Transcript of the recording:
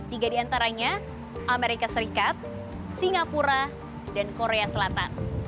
tiga di antaranya amerika serikat singapura dan korea selatan